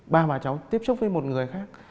ba bà cháu tiếp xúc với một người khác